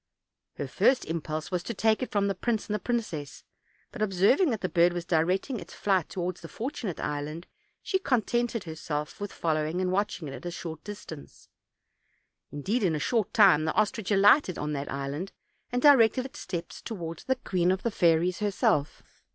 Her first impulse was to take from it the prince and princess; but observing that the bird was directing its flight toward the Fortunate Island, she contented herself with following and watching it at a short distance. Indeed, in a short time the ostrich alighted on that island, and directed its steps toward the queen of the fairies herself.